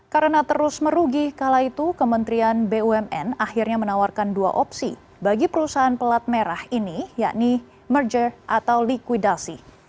karena terus merugi kala itu kementerian bumn akhirnya menawarkan dua opsi bagi perusahaan pelat merah ini yakni merger atau likuidasi